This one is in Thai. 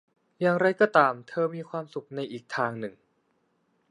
อย่างไรก็ตามเธอก็มีความสุขในอีกทางหนึ่ง